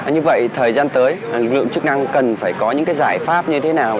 như vậy thời gian tới lực lượng chức năng cần phải có những giải pháp như thế nào